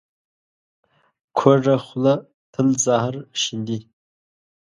کوږه خوله تل زهر شیندي